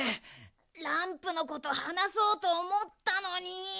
ランプのことはなそうとおもったのに。